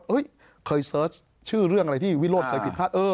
เคยเสิร์ชชื่อเรื่องอะไรที่วิโรธเคยผิดพลาด